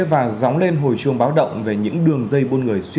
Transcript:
và gióng lên hồi chuông báo động về những đường dây